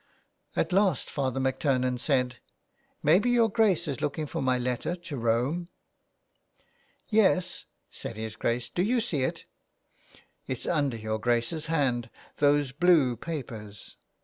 At last Father MacTurnan said :—*' Maybe your Grace is looking for my letter to Rome?" " Yes," said his Grace, " do you see it ?"" It's under your Grace's hand, those blue papers."